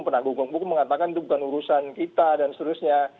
penanggung hukum mengatakan itu bukan urusan kita dan seterusnya